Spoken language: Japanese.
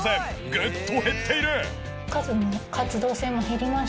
グッと減っている！